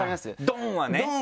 ドン！はね。